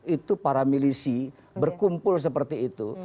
itu para milisi berkumpul seperti itu